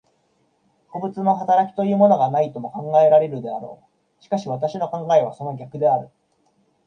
個物の働きというものがないとも考えられるであろう。しかし私の考えはその逆である。